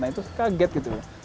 nah itu kaget gitu